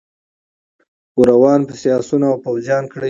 ور روان پسي آسونه او پوځیان کړی